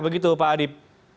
begitu pak adip